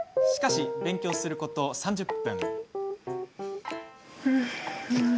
しかし、勉強することおよそ３０分。